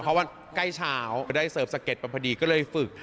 เพราะว่าใกล้เช้าไปได้เซิฟสเกร็ดพอพอดีก็เลยฝึก